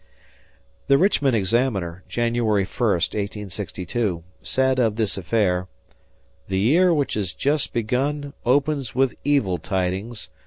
The Richmond Examiner, January 1, 1862, said of this affair: "The year which has just begun opens with evil tidings.